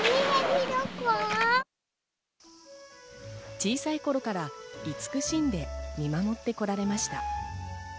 小さい頃からいつくしんで見守ってこられました。